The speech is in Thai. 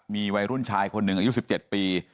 มีวัยรุ่นชายคนหนึ่งอายุ๑๗ปี